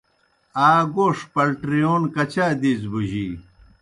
آ گوݜ پلٹِرِیون کچا دیزیْ بوجِی؟